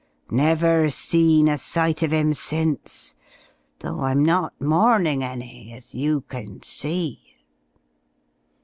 Never seen a sight of 'im since though I'm not mournin' any, as you kin see!"